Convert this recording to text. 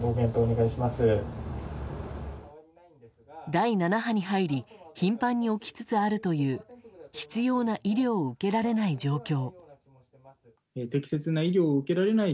第７波に入り頻繁に起きつつあるという必要な医療を受けられない状況。